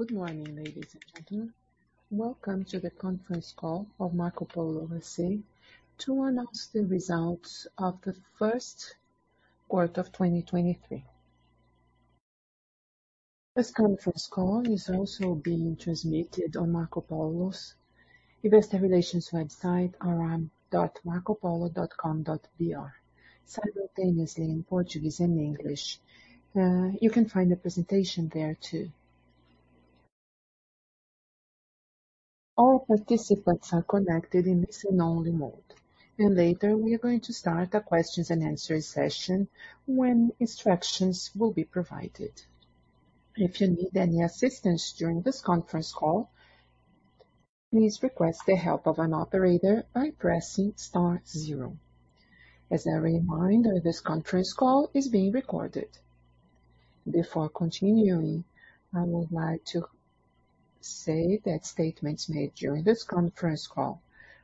Good morning, ladies and gentlemen. Welcome to the conference call of Marcopolo S.A. to announce the results of the first quarter of 2023. This conference call is also being transmitted on Marcopolo's investor relations website, ri.marcopolo.com.br, simultaneously in Portuguese and English. You can find the presentation there too. All participants are connected in listen-only mode. Later, we are going to start a questions and answers session when instructions will be provided. If you need any assistance during this conference call, please request the help of an operator by pressing star zero. As a reminder, this conference call is being recorded. Before continuing, I would like to say that statements made during this conference call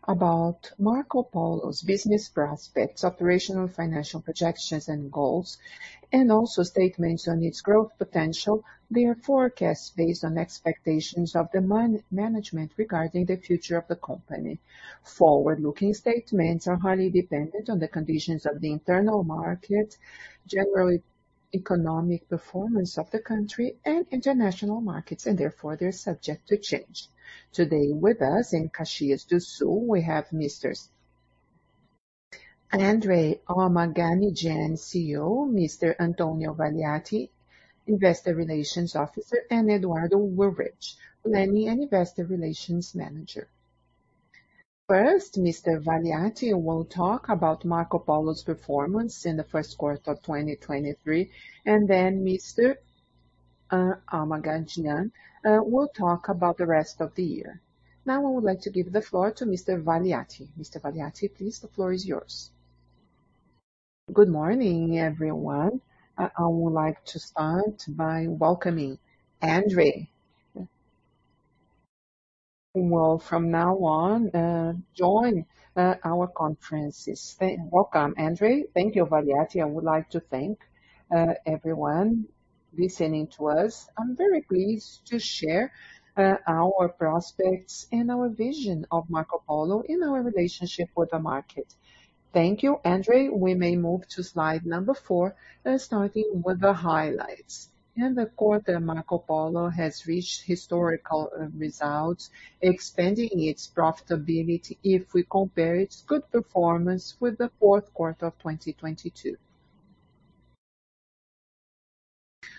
about Marcopolo's business prospects, operational, financial projections, and goals, and also statements on its growth potential, they are forecasts based on expectations of the management regarding the future of the company. Forward-looking statements are highly dependent on the conditions of the internal market, general economic performance of the country, and international markets, therefore, they're subject to change. Today with us in Caxias do Sul, we have Messrs. André Armaganijan, CEO, Mr. Antonio Valiati, Investor Relations Officer, and Eduardo Willrich, Planning and Investor Relations Manager. Mr. Valiati will talk about Marcopolo's performance in the first quarter of 2023, then Mr. Armaganijan will talk about the rest of the year. I would like to give the floor to Mr. Valiati. Mr. Valiati, please, the floor is yours. Good morning, everyone. I would like to start by welcoming André. Who will from now on join our conferences. Welcome, André. Thank you, Valiati. I would like to thank everyone listening to us. I'm very pleased to share our prospects and our vision of Marcopolo in our relationship with the market. Thank you, André. We may move to slide four, starting with the highlights. In the quarter, Marcopolo has reached historical results, expanding its profitability if we compare its good performance with the fourth quarter of 2022.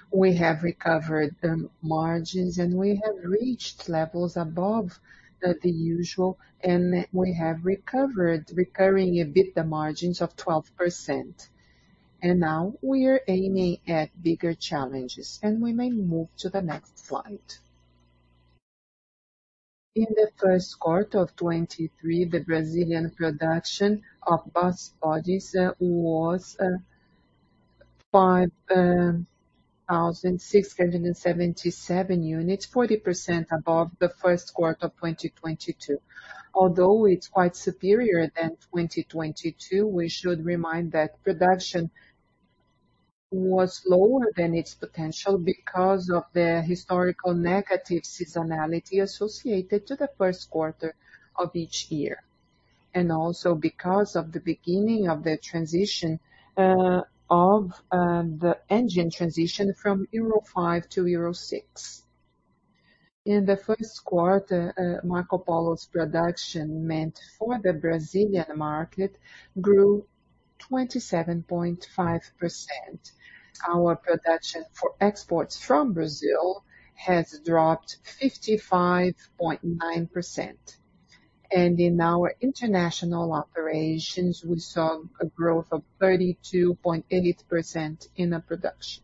We have recovered the margins, and we have reached levels above the usual, and we have recovered recurring EBITDA margins of 12%. Now we are aiming at bigger challenges. We may move to the next slide. In the first quarter of 2023, the Brazilian production of bus bodies was 5,677 units, 40% above the first quarter of 2022. Although it's quite superior than 2022, we should remind that production was lower than its potential because of the historical negative seasonality associated to the first quarter of each year. Also because of the beginning of the engine transition from Euro 5 to Euro VI. In the first quarter, Marcopolo's production meant for the Brazilian market grew 27.5%. Our production for exports from Brazil has dropped 55.9%. In our international operations, we saw a growth of 32.8% in the production.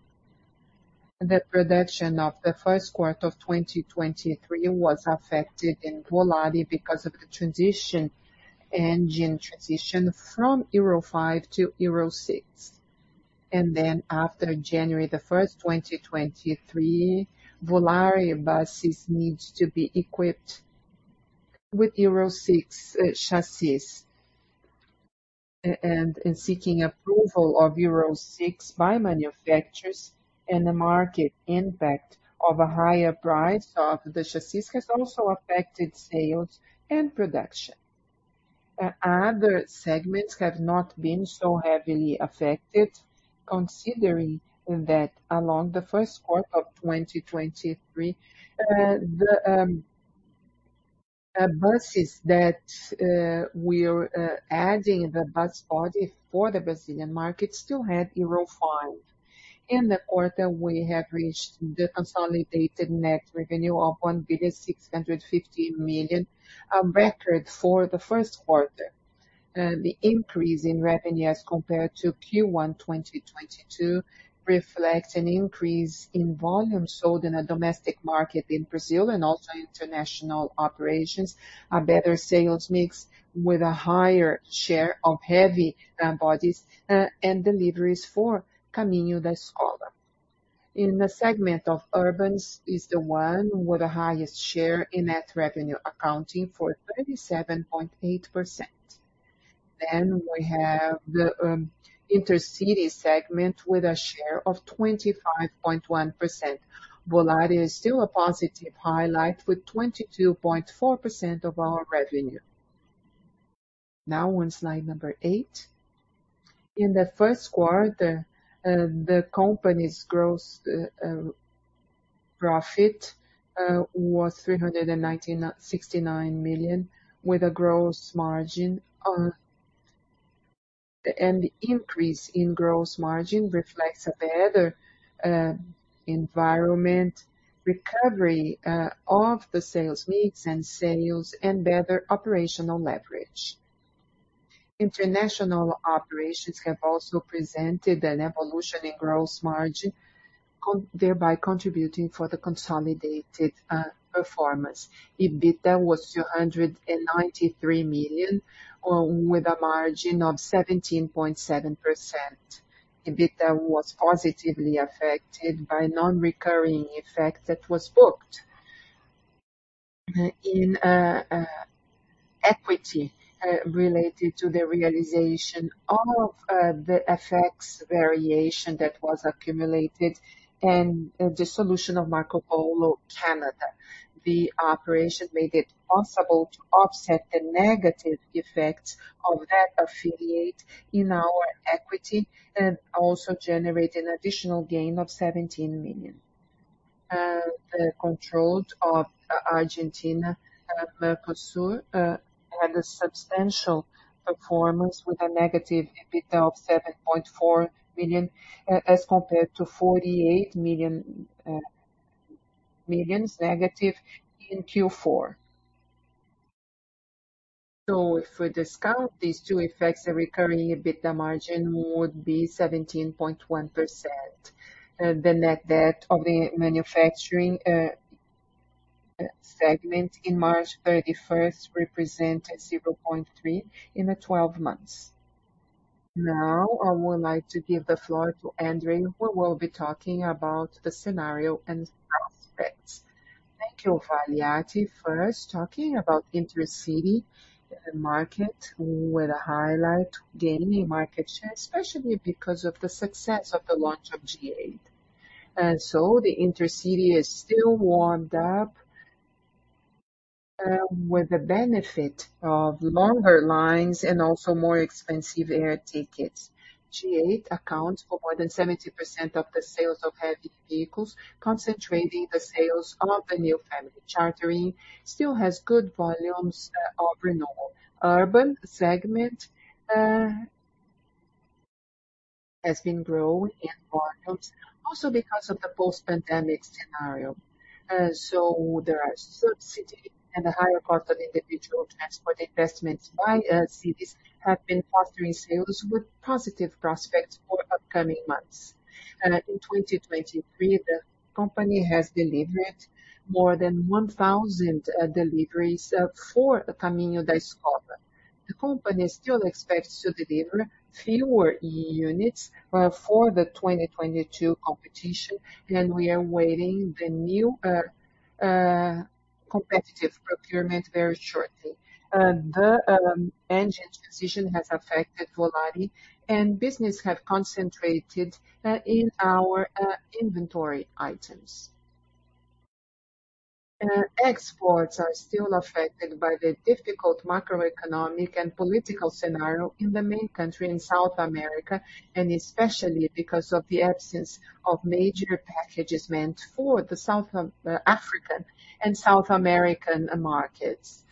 The production of the first quarter of 2023 was affected in Volare because of the engine transition from Euro 5 to Euro VI. After January 1st, 2023, Volare buses needs to be equipped with Euro VI chassis. In seeking approval of Euro VI by manufacturers and the market impact of a higher price of the chassis has also affected sales and production. Other segments have not been so heavily affected, considering that along the first quarter of 2023, the buses that we're adding the bus body for the Brazilian market still had Euro 5. In the quarter, we have reached the consolidated net revenue of 1.65 billion, a record for the first quarter. The increase in revenue as compared to Q1 2022 reflects an increase in volume sold in the domestic market in Brazil and also international operations, a better sales mix with a higher share of heavy bodies and deliveries for Caminho da Escola. In the segment of urbans is the one with the highest share in net revenue, accounting for 37.8%. We have the intercity segment with a share of 25.1%. Volare is still a positive highlight with 22.4% of our revenue. On slide number 8. In the first quarter, the company's gross profit was 369 million, with a gross margin. The increase in gross margin reflects a better environment recovery of the sales mix and sales and better operational leverage. International operations have also presented an evolution in gross margin, thereby contributing for the consolidated performance. EBITDA was 293 million, with a margin of 17.7%. EBITDA was positively affected by non-recurring effect that was booked in equity related to the realization of the FX variation that was accumulated and the dissolution of Marcopolo Canada. The operation made it possible to offset the negative effects of that affiliate in our equity and also generate an additional gain of 17 million. The control of Argentina, Mercosur, had a substantial performance with a negative EBITDA of 7.4 million, as compared to 48 million negative in Q4. So if we discount these two effects, the recurring EBITDA margin would be 17.1%. The net debt of the manufacturing segment in March 31st represent a 0.3 in the 12 months. Now, I would like to give the floor to Andre, who will be talking about the scenario and prospects. Thank you, Valiati. First, talking about intercity market with a highlight gaining market share, especially because of the success of the launch of G8. The intercity is still warmed up with the benefit of longer lines and also more expensive air tickets. G8 accounts for more than 70% of the sales of heavy vehicles, concentrating the sales of the new family. Chartering still has good volumes of renewal. Urban segment has been growing in volumes also because of the post-pandemic scenario. There are subsidy and the higher cost of individual transport investments by cities have been fostering sales with positive prospects for upcoming months. In 2023, the company has delivered more than 1,000 deliveries for Caminho da Escola. The company still expects to deliver fewer units for the 2022 competition, and we are awaiting the new competitive procurement very shortly. The engine transition has affected Valiati and business have concentrated in our inventory items. Exports are still affected by the difficult macroeconomic and political scenario in the main country in South America, and especially because of the absence of major packages meant for the South African and South American markets.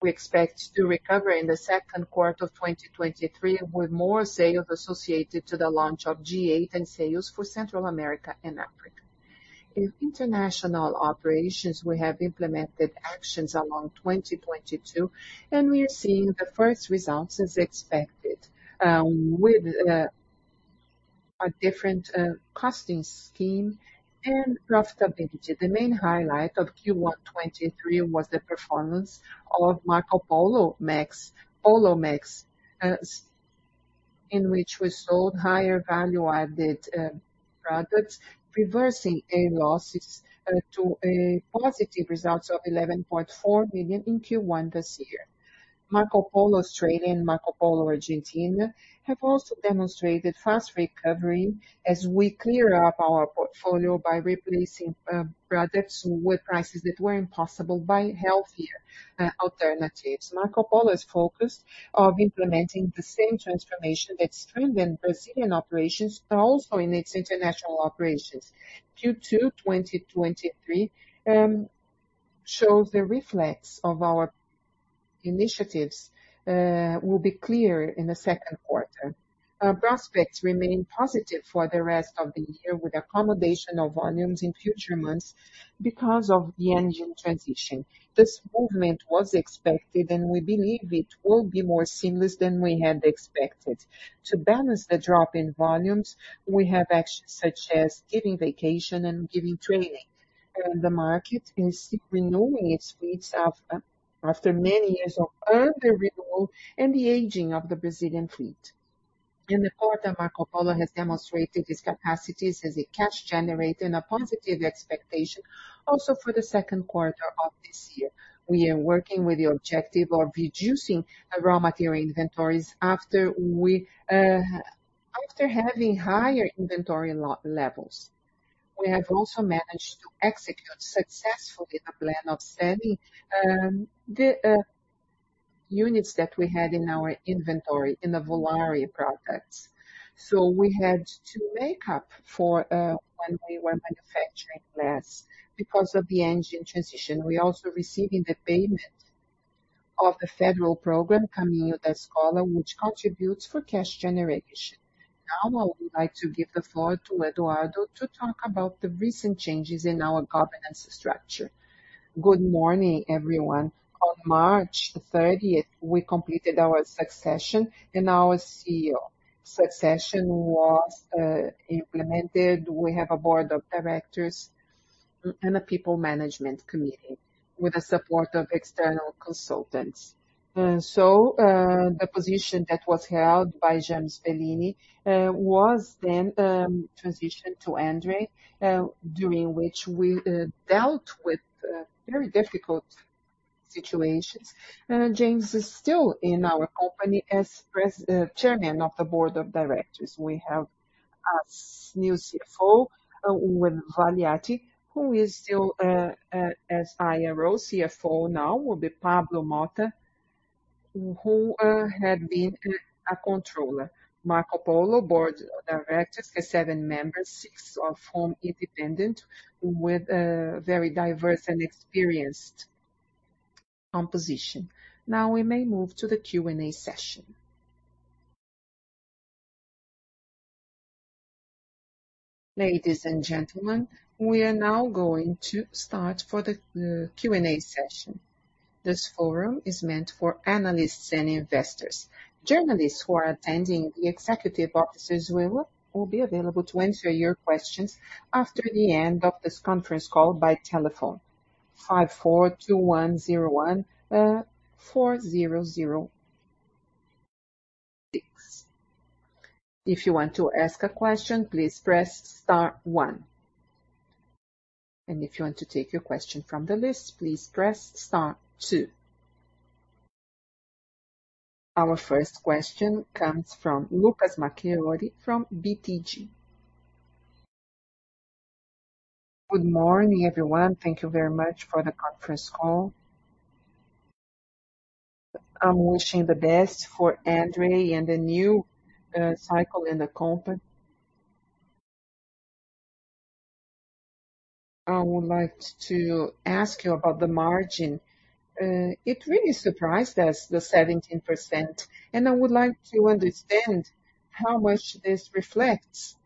We expect to recover in the second quarter of 2023 with more sales associated to the launch of G8 and sales for Central America and Africa. In international operations, we have implemented actions along 2022, and we are seeing the first results as expected with a different costing scheme and profitability. The main highlight of Q1 2023 was the performance of Marcopolo max, Polomex in which we sold higher value-added products, reversing any losses to a positive results of 11.4 billion in Q1 this year. Marcopolo Australia and Marcopolo Argentina have also demonstrated fast recovery as we clear up our portfolio by replacing products with prices that were impossible by healthier alternatives. Marcopolo is focused of implementing the same transformation that strengthened Brazilian operations, but also in its international operations. Q2 2023 shows the reflex of our initiatives will be clear in the second quarter. Prospects remain positive for the rest of the year with accommodation of volumes in future months because of the engine transition. This movement was expected, and we believe it will be more seamless than we had expected. To balance the drop in volumes, we have actions such as giving vacation and giving training. The market is renewing its fleets after many years of under-renewal and the aging of the Brazilian fleet. In the quarter, Marcopolo has demonstrated its capacities as a cash generator and a positive expectation also for the second quarter of this year. We are working with the objective of reducing the raw material inventories after we after having higher inventory levels. We have also managed to execute successfully the plan of selling the units that we had in our inventory in the Volare products. We had to make up for when we were manufacturing less because of the engine transition. We're also receiving the payment of the federal program, Caminho da Escola, which contributes for cash generation. Now I would like to give the floor to Eduardo to talk about the recent changes in our governance structure. Good morning, everyone. On March the thirtieth, we completed our succession and our CEO succession was implemented. We have a board of directors and a people management committee with the support of external consultants. The position that was held by James Bellini was then transitioned to Andre, during which we dealt with very difficult situations. James is still in our company as chairman of the board of directors. We have a new CFO, When Valiati, who is still... As IRO CFO now will be Pablo Motta, who had been a controller. Marcopolo board of directors has seven members, six of whom independent, with a very diverse and experienced composition. Now we may move to the Q&A session. Ladies and gentlemen, we are now going to start for the Q&A session. This forum is meant for analysts and investors. Journalists who are attending, the executive officers will be available to answer your questions after the end of this conference call by telephone five four two one zero one, four zero zero six. If you want to ask a question, please press star one. If you want to take your question from the list, please press star two. Our first question comes from Lucas Marquiori from BTG. Good morning, everyone. Thank you very much for the conference call. I'm wishing the best for André and the new cycle in the company. I would like to ask you about the margin. It really surprised us, the 17%, and I would like to understand how much this reflects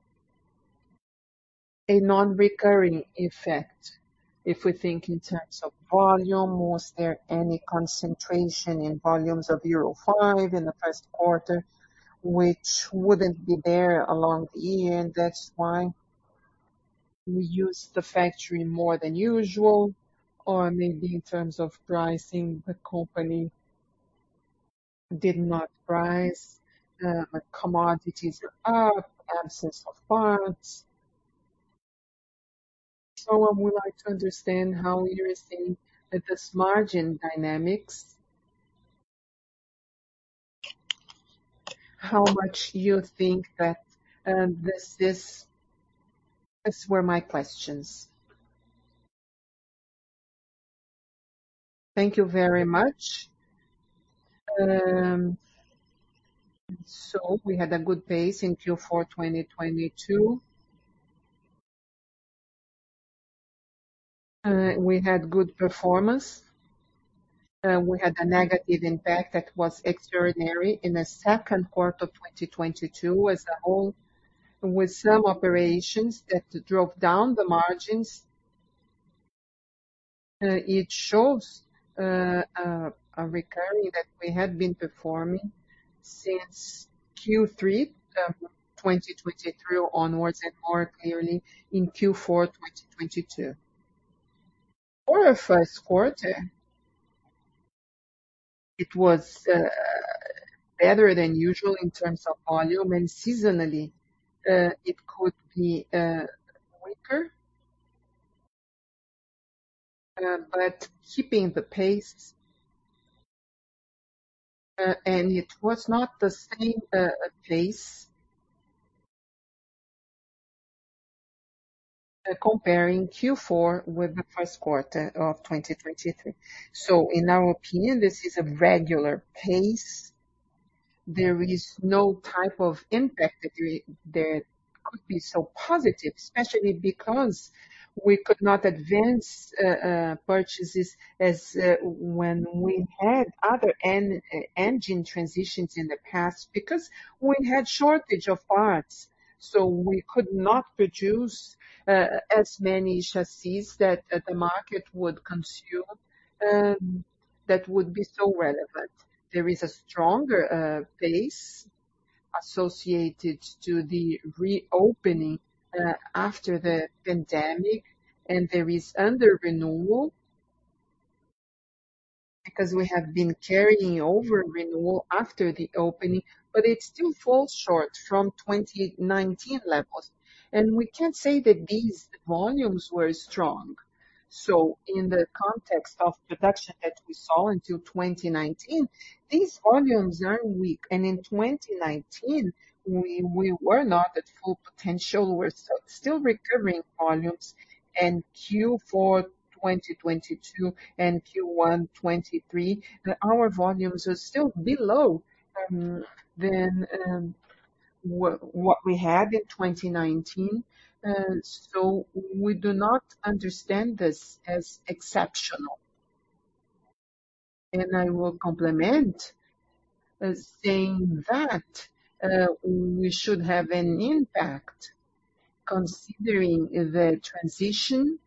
a non-recurring effect. If we think in terms of volume, was there any concentration in volumes of Euro 5 in the 1st quarter which wouldn't be there along the year, and that's why we used the factory more than usual. Maybe in terms of pricing, the company did not price, commodities are up, absence of parts. I would like to understand how you are seeing this margin dynamics. How much you think that. Those were my questions. Thank you very much. We had a good pace in Q4 2022. We had good performance. We had a negative impact that was extraordinary in the 2nd quarter of 2022 as a whole, with some operations that drove down the margins. It shows a recurring that we had been performing since Q3 2023 onwards and more clearly in Q4 2022. For a first quarter, it was better than usual in terms of volume and seasonally, it could be weaker. Keeping the pace, and it was not the same pace, comparing Q4 with the first quarter of 2023. In our opinion, this is a regular pace. There is no type of impact that could be so positive, especially because we could not advance purchases as when we had other engine transitions in the past because we had shortage of parts, so we could not produce as many chassis that the market would consume, that would be so relevant. There is a stronger pace associated to the reopening after the pandemic. There is under renewal. Because we have been carrying over renewal after the opening, but it still falls short from 2019 levels. We can't say that these volumes were strong. In the context of production that we saw until 2019, these volumes are weak. In 2019 we were not at full potential. We're still recovering volumes. In Q4 2022 and Q1 2023, our volumes are still below than what we had in 2019. We do not understand this as exceptional. I will complement saying that we should have an impact considering the transition.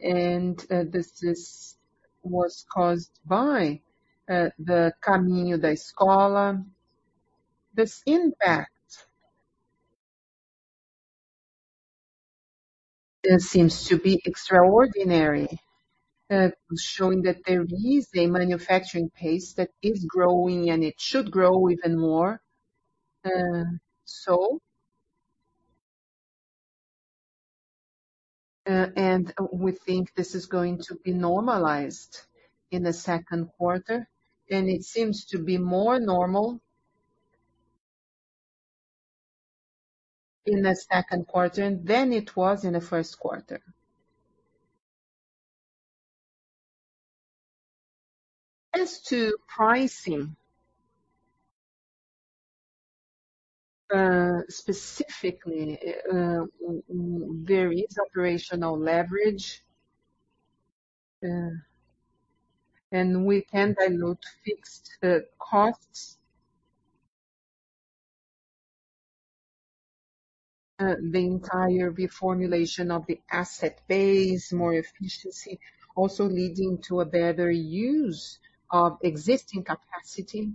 This was caused by the Caminho da Escola. This impact, it seems to be extraordinary, showing that there is a manufacturing pace that is growing and it should grow even more. We think this is going to be normalized in the second quarter, and it seems to be more normal in the second quarter than it was in the first quarter. As to pricing, specifically, there is operational leverage. We can dilute fixed costs. The entire reformulation of the asset base, more efficiency also leading to a better use of existing capacity.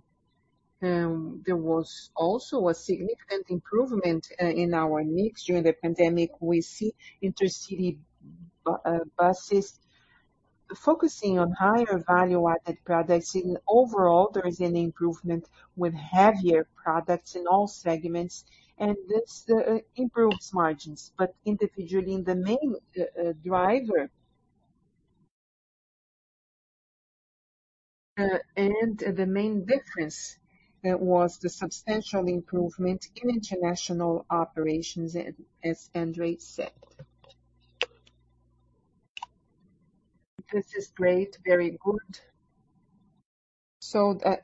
There was also a significant improvement in our mix during the pandemic. We see intercity buses focusing on higher value added products. In overall, there is an improvement with heavier products in all segments, and this improves margins. Individually in the main driver. The main difference was the substantial improvement in international operations as Andre said. This is great. Very good.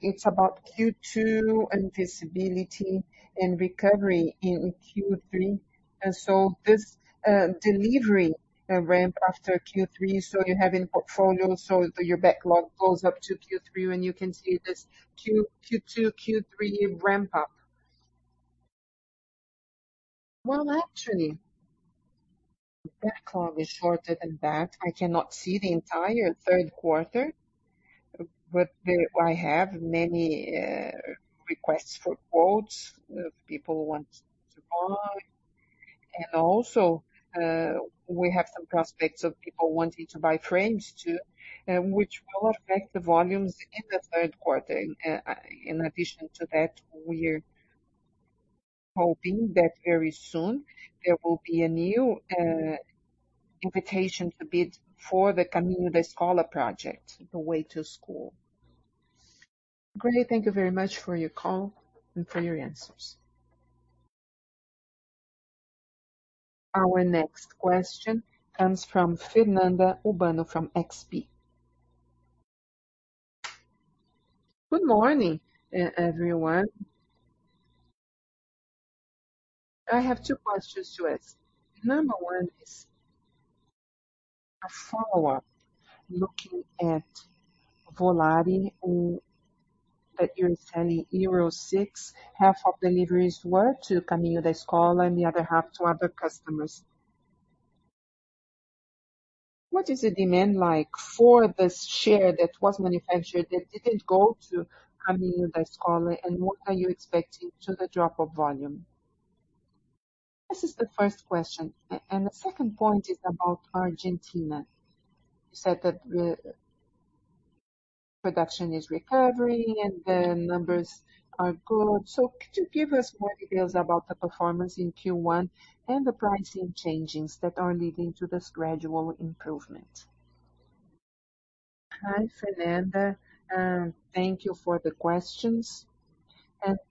It's about Q2 and visibility and recovery in Q3. This delivery ramp after Q3. You have in portfolio, so your backlog goes up to Q3 and you can see this Q2, Q3 ramp up. Well, actually. Backlog is shorter than that. I cannot see the entire third quarter. I have many requests for quotes. People want to buy. Also, we have some prospects of people wanting to buy frames too, which will affect the volumes in the third quarter. In addition to that, we're hoping that very soon there will be a new invitation to bid for the Caminho da Escola project, The Way to School. Great. Thank you very much for your call and for your answers. Our next question comes from Fernanda Urbano from XP. Good morning, everyone. I have two questions to ask. Number one is a follow-up looking at Volare, that you're selling Euro 6. Half of deliveries were to Caminho da Escola and the other half to other customers. What is the demand like for this share that was manufactured that didn't go to Caminho da Escola and what are you expecting to the drop of volume? This is the first question. The second point is about Argentina. You said that the production is recovering and the numbers are good. Could you give us more details about the performance in Q1 and the pricing changes that are leading to this gradual improvement? Hi, Fernanda, thank you for the questions.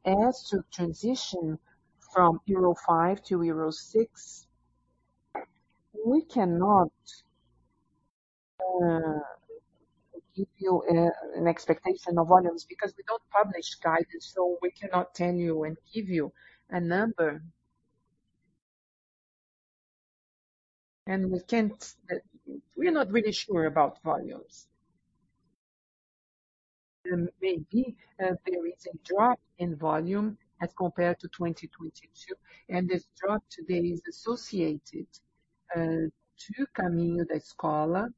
As to transition from Euro 5 to Euro VI, we cannot give you an expectation of volumes because we don't publish guidance, so we cannot tell you and give you a number. We're not really sure about volumes. Maybe there is a drop in volume as compared to 2022, and this drop today is associated to Caminho da Escola,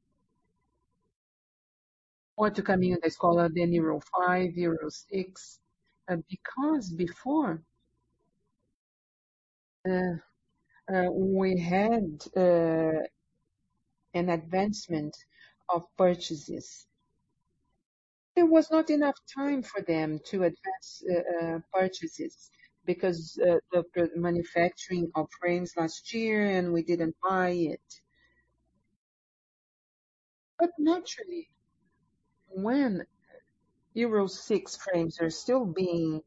the Euro 5, Euro VI. Because before we had an advancement of purchases. There was not enough time for them to advance purchases because the manufacturing of frames last year, and we didn't buy it. Naturally, when Euro VI frames are still being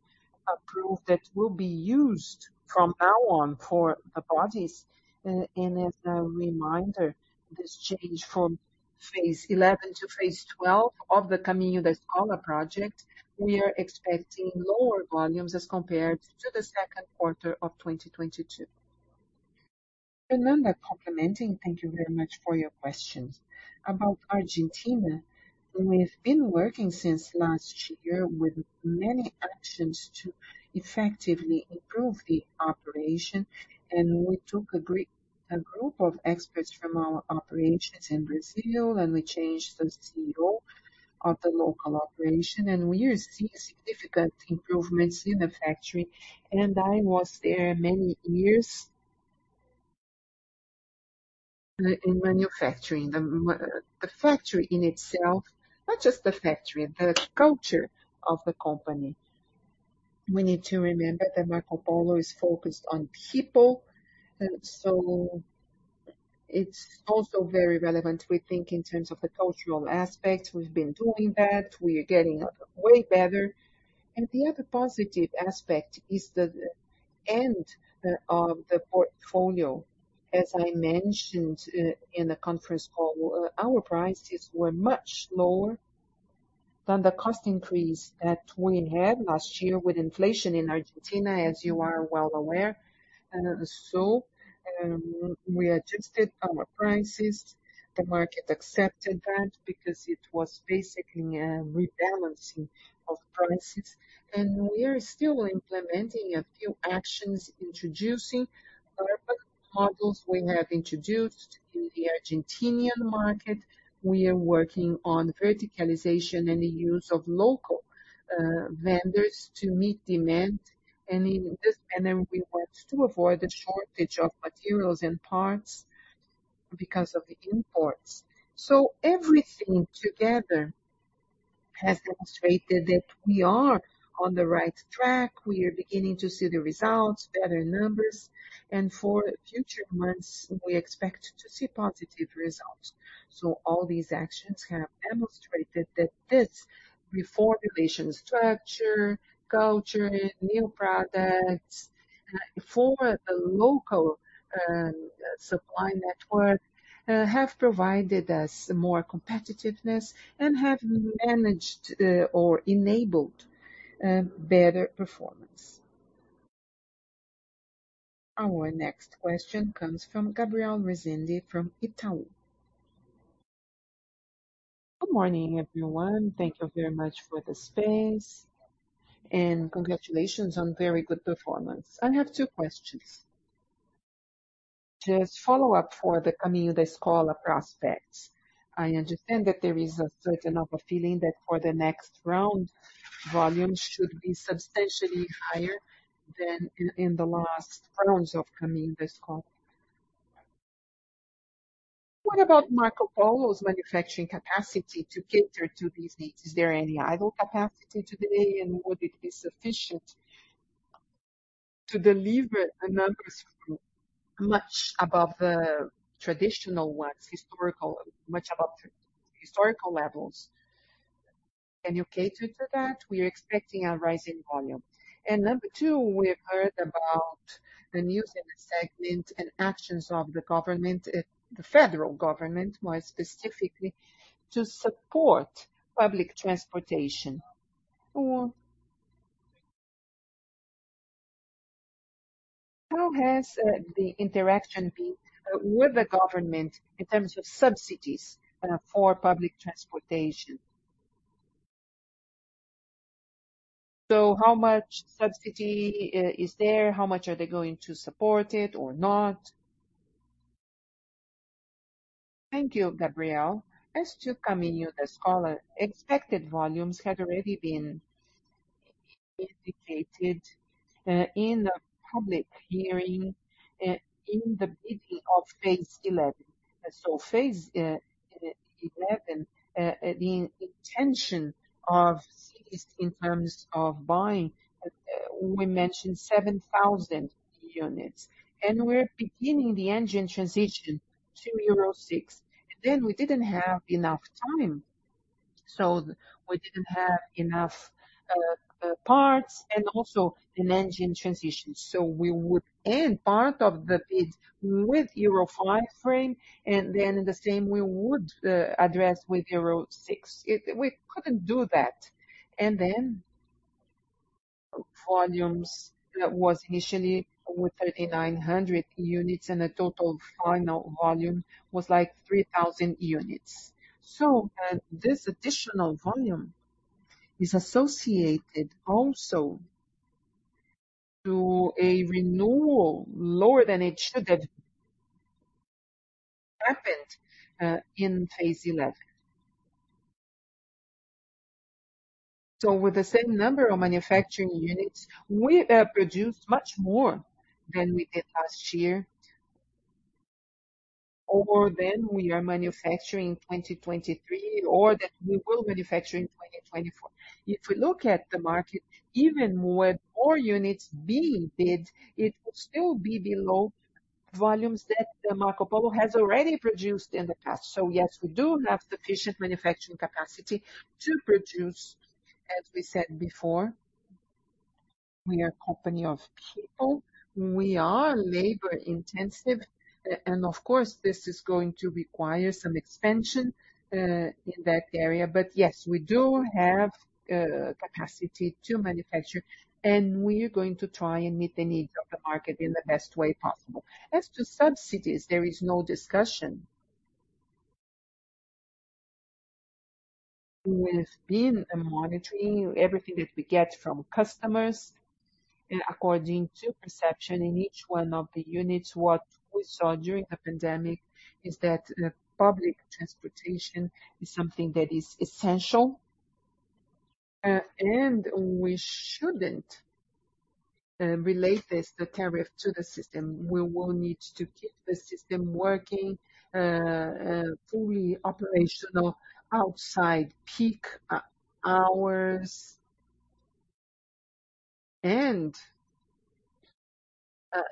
approved, that will be used from now on for the bodies. As a reminder, this change from phase 11 to phase 12 of the Caminho da Escola project, we are expecting lower volumes as compared to the second quarter of 2022. Fernanda complimenting, thank you very much for your questions. About Argentina, we've been working since last year with many actions to effectively improve the operation. We took a group of experts from our operations in Brazil, and we changed the CEO of the local operation. We are seeing significant improvements in the factory. I was there many years. In manufacturing. The factory in itself. Not just the factory, the culture of the company. We need to remember that Marcopolo is focused on people. It's also very relevant, we think, in terms of the cultural aspect. We've been doing that. We are getting way better. The other positive aspect is the end of the portfolio. As I mentioned in the conference call, our prices were much lower than the cost increase that we had last year with inflation in Argentina, as you are well aware. We adjusted our prices. The market accepted that because it was basically a rebalancing of prices. We are still implementing a few actions, introducing our models we have introduced in the Argentinian market. We are working on verticalization and the use of local vendors to meet demand. In this manner, we want to avoid the shortage of materials and parts because of the imports. Everything together has demonstrated that we are on the right track. We are beginning to see the results, better numbers, and for future months we expect to see positive results. All these actions have demonstrated that this reformulation structure, culture, new products, for the local supply network, have provided us more competitiveness and have managed, or enabled, better performance. Our next question comes from Gabriel Rezende, from Itaú BBA. Good morning, everyone. Thank you very much for the space. Congratulations on very good performance. I have two questions. Just follow up for the Caminho da Escola prospects. I understand that there is a certain of a feeling that for the next round, volumes should be substantially higher than in the last rounds of Caminho da Escola. What about Marcopolo's manufacturing capacity to cater to these needs? Is there any idle capacity today, and would it be sufficient to deliver the numbers much above the traditional ones, much above historical levels? Can you cater to that? We are expecting a rise in volume. Number two, we've heard about the news in the segment and actions of the government, the federal government, more specifically to support public transportation. How has the interaction been with the government in terms of subsidies for public transportation? So how much subsidy is there? How much are they going to support it or not? Thank you, Gabriel. As to Caminho da Escola, expected volumes had already been indicated in the public hearing, in the bidding of phase 11. So phase 11, the intention of cities in terms of buying, we mentioned 7,000 units. And we're beginning the engine transition to Euro VI. Then we didn't have enough time, so we didn't have enough parts and also an engine transition. We would end part of the bid with Euro 5 frame, in the same we would address with Euro VI. We couldn't do that. Volumes was initially with 3,900 units, and the total final volume was like 3,000 units. This additional volume is associated also to a renewal lower than it should have happened in phase 11. With the same number of manufacturing units, we have produced much more than we did last year or than we are manufacturing in 2023, or that we will manufacture in 2024. If we look at the market even more, more units being bid, it will still be below volumes that Marcopolo has already produced in the past. Yes, we do have sufficient manufacturing capacity to produce. As we said before, we are a company of people. We are labor-intensive, and of course, this is going to require some expansion in that area. Yes, we do have capacity to manufacture, and we are going to try and meet the needs of the market in the best way possible. As to subsidies, there is no discussion. We've been monitoring everything that we get from customers according to perception in each one of the units. What we saw during the pandemic is that public transportation is something that is essential, and we shouldn't relate this, the tariff to the system. We will need to keep the system working, fully operational outside peak hours.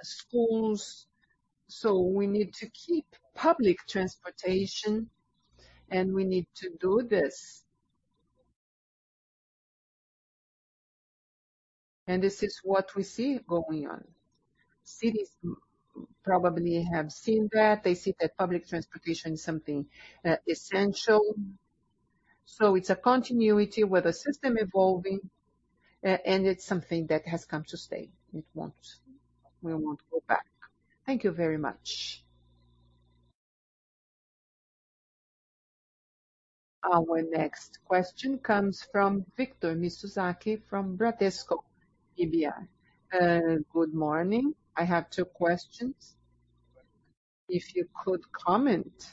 Schools. We need to keep public transportation, and we need to do this. This is what we see going on. Cities probably have seen that. They see that public transportation is something essential. It's a continuity with the system evolving, and it's something that has come to stay. We won't go back. Thank you very much. Our next question comes from Victor Mizusaki from Bradesco BBI. Good morning. I have two questions. If you could comment,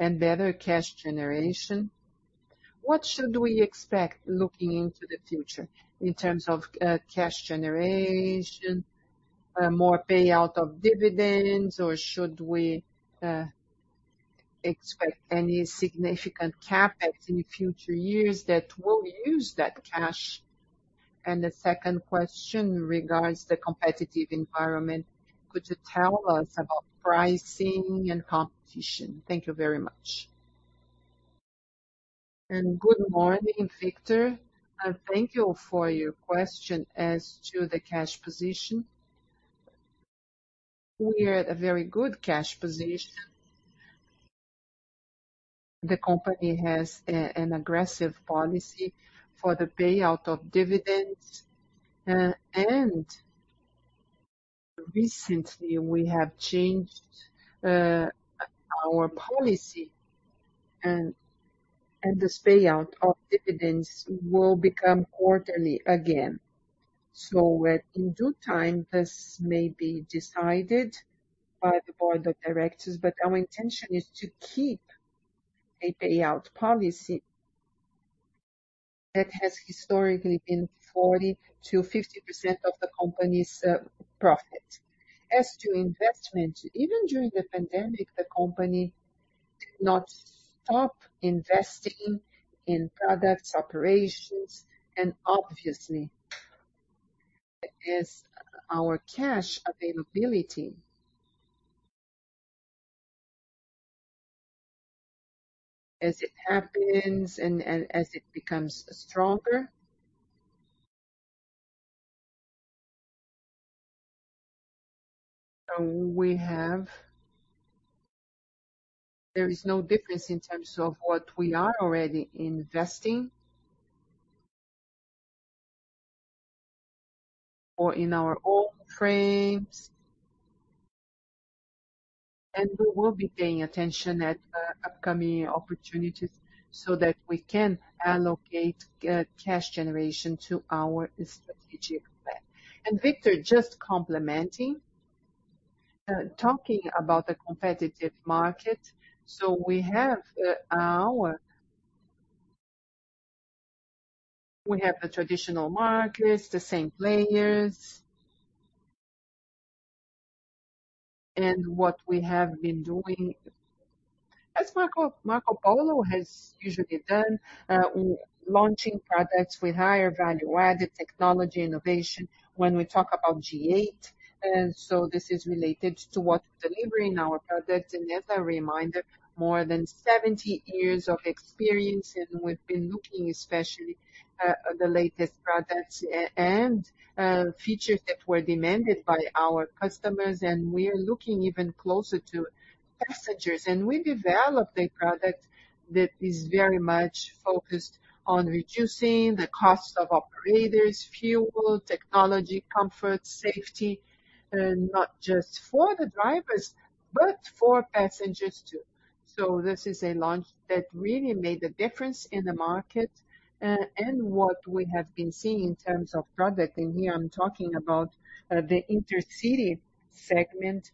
and better cash generation, what should we expect looking into the future in terms of, cash generation, more payout of dividends, or should we, expect any significant CapEx in future years that will use that cash? The second question regards the competitive environment. Could you tell us about pricing and competition? Thank you very much. Good morning, Victor, and thank you for your question. As to the cash position, we are at a very good cash position. The company has an aggressive policy for the payout of dividends, and recently we have changed our policy and this payout of dividends will become quarterly again. In due time, this may be decided by the board of directors, but our intention is to keep a payout policy that has historically been 40%-50% of the company's profit. As to investment, even during the pandemic, the company did not stop investing in products, operations, and obviously as our cash availability. As it happens and as it becomes stronger. There is no difference in terms of what we are already investing. Or in our own frames. We will be paying attention at upcoming opportunities so that we can allocate cash generation to our strategic plan. Victor, just complementing, talking about the competitive market. We have the traditional markets, the same players. What we have been doing, as Marcopolo has usually done, launching products with higher value-added technology innovation when we talk about G8. This is related to what we deliver in our products. As a reminder, more than 70 years of experience, and we've been looking especially at the latest products and features that were demanded by our customers. We are looking even closer to passengers. We developed a product that is very much focused on reducing the cost of operators, fuel, technology, comfort, safety, not just for the drivers, but for passengers too. This is a launch that really made the difference in the market, and what we have been seeing in terms of product. Here I'm talking about the intercity segment.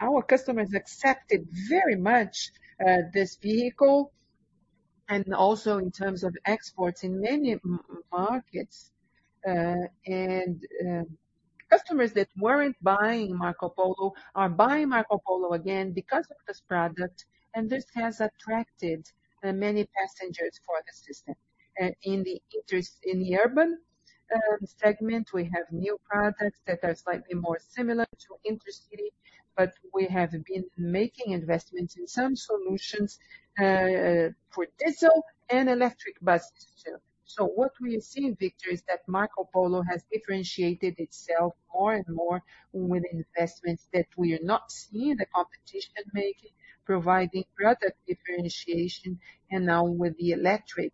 Our customers accepted very much this vehicle. Also in terms of exports in many markets, customers that weren't buying Marcopolo are buying Marcopolo again because of this product, and this has attracted many passengers for the system. In the urban segment, we have new products that are slightly more similar to intercity, but we have been making investments in some solutions for diesel and electric buses too. What we see, Victor, is that Marcopolo has differentiated itself more and more with investments that we are not seeing the competition making, providing product differentiation. Now with the electric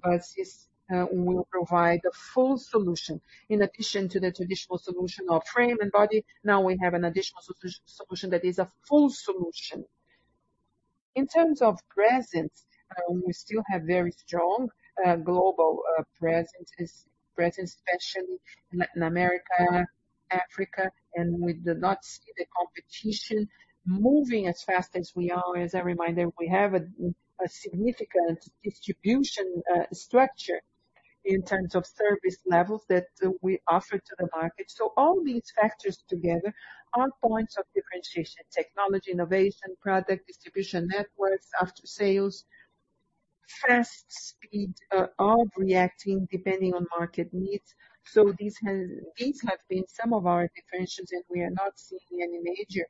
buses, we will provide a full solution. In addition to the traditional solution of frame and body, now we have an additional solution that is a full solution. In terms of presence, we still have very strong global presence especially in Latin America, Africa, and we do not see the competition moving as fast as we are. As a reminder, we have a significant distribution structure in terms of service levels that we offer to the market. All these factors together are points of differentiation: technology, innovation, product, distribution networks, aftersales, fast speed of reacting depending on market needs. These have been some of our differentiators, and we are not seeing any major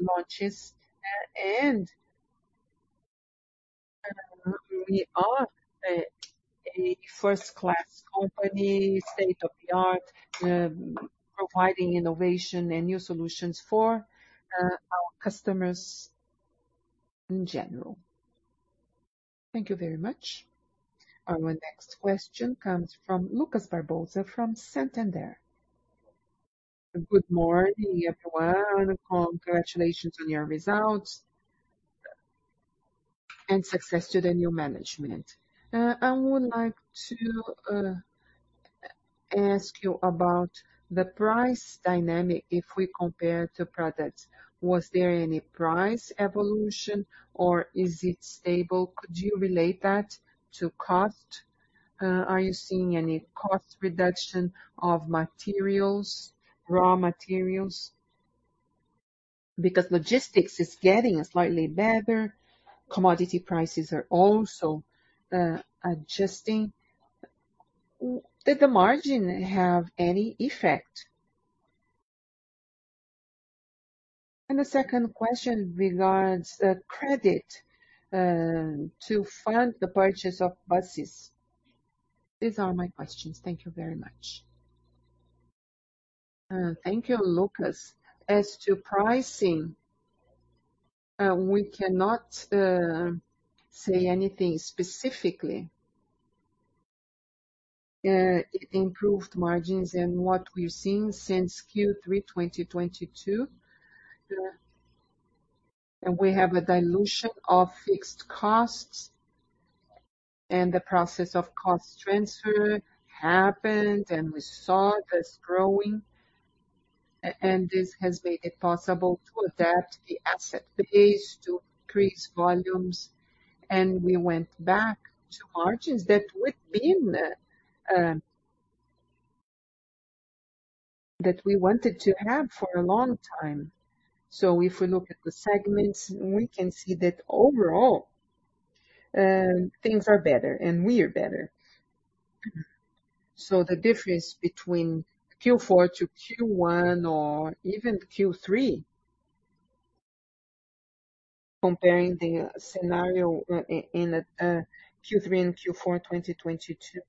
launches. We are a first-class company, state-of-the-art, providing innovation and new solutions for our customers in general. Thank you very much. Our next question comes from Lucas Barbosa from Santander. Good morning, everyone. Congratulations on your results and success to the new management. I would like to ask you about the price dynamic if we compare to products. Was there any price evolution or is it stable? Could you relate that to cost? Are you seeing any cost reduction of materials, raw materials? Logistics is getting slightly better, commodity prices are also adjusting. Did the margin have any effect? The second question regards the credit to fund the purchase of buses. These are my questions. Thank you very much. Thank you, Lucas. As to pricing, we cannot say anything specifically. It improved margins and what we've seen since Q3 2022. We have a dilution of fixed costs and the process of cost transfer happened and we saw this growing. This has made it possible to adapt the asset base to increase volumes. We went back to margins that we've been, that we wanted to have for a long time. If we look at the segments, we can see that overall, things are better and we are better. The difference between Q4 to Q1 or even Q3, comparing the scenario in Q3 and Q4 2022.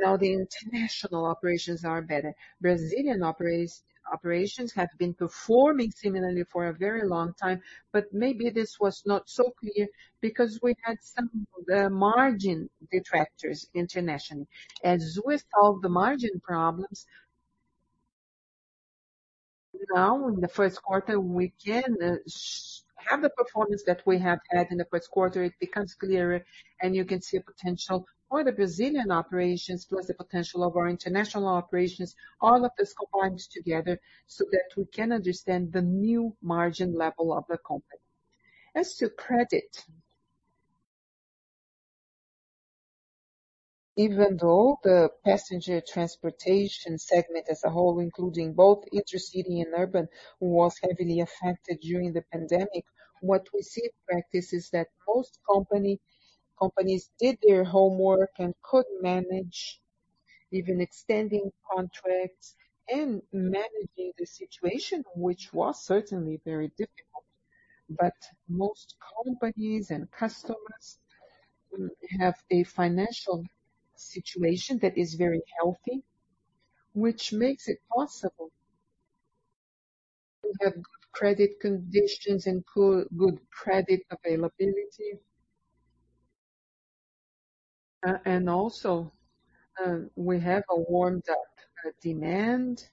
Now the international operations are better. Brazilian operations have been performing similarly for a very long time, but maybe this was not so clear because we had some margin detractors internationally. As we solve the margin problems, now in the first quarter, we can have the performance that we have had in the first quarter. It becomes clearer and you can see a potential for the Brazilian operations plus the potential of our international operations, all of this combined together so that we can understand the new margin level of the company. As to credit, even though the passenger transportation segment as a whole, including both intercity and urban, was heavily affected during the pandemic, what we see in practice is that most companies did their homework and could manage even extending contracts and managing the situation, which was certainly very difficult. Most companies and customers have a financial situation that is very healthy, which makes it possible to have good credit conditions and good credit availability. Also, we have a warmed up demand.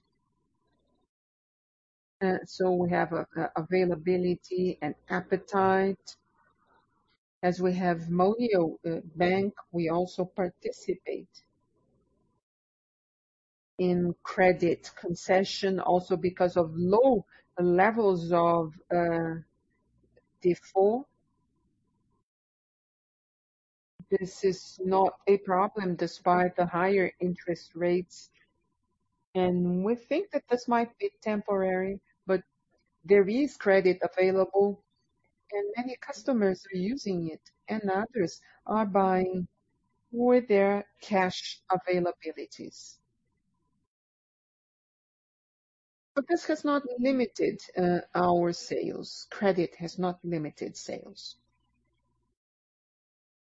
We have availability and appetite. We have Banco Moneo, we also participate in credit concession also because of low levels of default. This is not a problem despite the higher interest rates. We think that this might be temporary, but there is credit available and many customers are using it and others are buying with their cash availabilities. This has not limited our sales. Credit has not limited sales.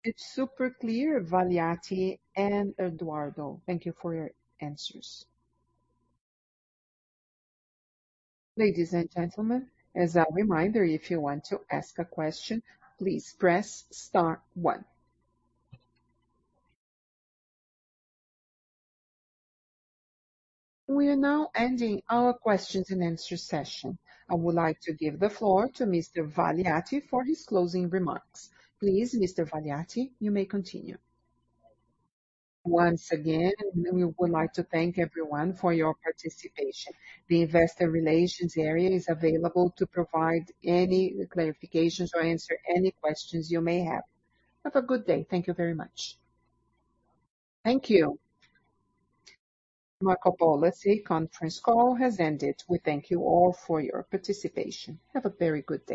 It's super clear, Valiati and Eduardo. Thank you for your answers. Ladies and gentlemen, as a reminder, if you want to ask a question, please press star 1. We are now ending our questions and answer session. I would like to give the floor to Mr. Valiati for his closing remarks. Please, Mr. Valiati, you may continue. Once again, we would like to thank everyone for your participation. The investor relations area is available to provide any clarifications or answer any questions you may have. Have a good day. Thank you very much. Thank you. Marcopolo's conference call has ended. We thank you all for your participation. Have a very good day.